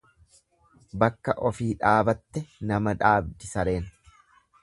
Bakka ofii dhaabatte nama dhaabdi sareen.